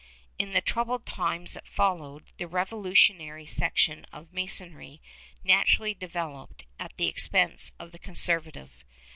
^ In the troubled times that followed, the revolutionary section of Masonry naturally developed, at the expense of the conserva tive.